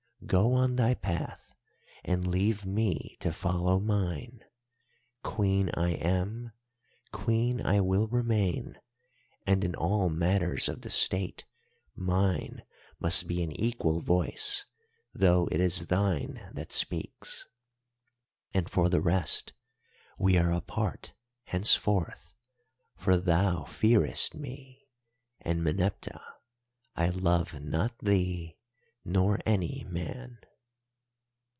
Go on thy path and leave me to follow mine. Queen I am, Queen I will remain, and in all matters of the State mine must be an equal voice though it is thine that speaks. And, for the rest, we are apart henceforth, for thou fearest me, and Meneptah, I love not thee, nor any man.